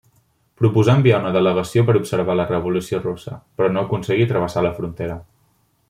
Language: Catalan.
Proposà enviar una delegació per observar la Revolució Russa; però no aconseguí travessar la frontera.